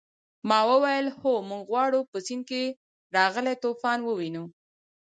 ما وویل هو موږ غواړو په سیند کې راغلی طوفان ووینو.